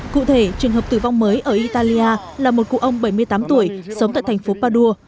cụ thể trường hợp tử vong mới ở italia là một cụ ông bảy mươi tám tuổi sống tại thành phố padua